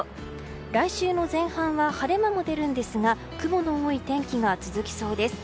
来週の前半は晴れ間も出るんですが雲の多い天気が続きそうです。